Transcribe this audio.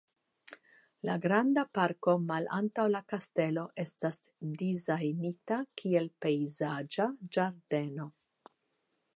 La granda parko malantaŭ la kastelo estas dizajnita kiel pejzaĝa ĝardeno.